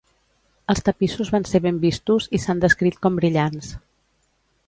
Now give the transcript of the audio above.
Els tapissos van ser ben vistos, i s'han descrit com brillants.